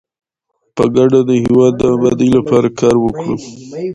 په ګډه د هیواد د ابادۍ لپاره کار وکړو.